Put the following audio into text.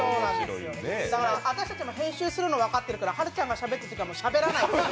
私たちも編集するの分かってるから、はるちゃんがしゃべってるときはしゃべらない。